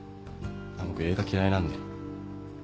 僕映画嫌いなんで。